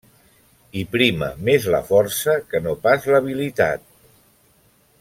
Hi prima més la força que no pas l'habilitat.